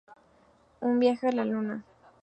Un viaje a la luna.